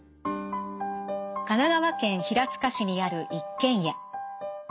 神奈川県平塚市にある一軒家。